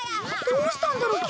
どうしたんだろう？